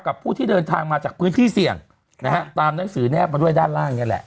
ผู้ที่เดินทางมาจากพื้นที่เสี่ยงนะฮะตามหนังสือแนบมาด้วยด้านล่างนี่แหละ